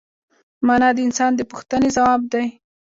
مانا د انسان د پوښتنې ځواب دی.